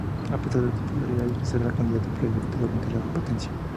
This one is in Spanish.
A pesar de su popularidad, y de ser la candidata predilecta durante la competencia.